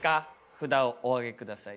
札をお上げください。